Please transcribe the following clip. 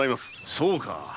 そうか。